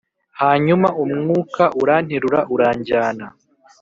Hanyuma umwuka uranterura uranjyana